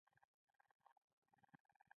انګلیسانو له هندي قوتونو سره له نښتې وېره لرله.